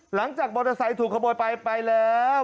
หลังจากมอเตอร์ไซค์ถูกขโมยไปไปแล้ว